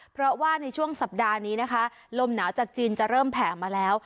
เพราะว่าในช่วงสัปดาห์นี้นะคะลมหนาวจากจีนจะเริ่มแผ่มาแล้ว